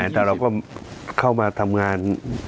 แต่เราก็เข้ามาทำงาน